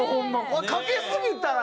これかけすぎたら。